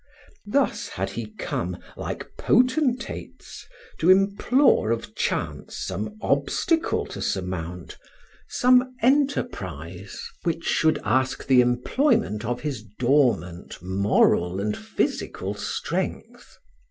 Thus had he come, like potentates, to implore of Chance some obstacle to surmount, some enterprise which should ask the employment of his dormant moral and physical strength.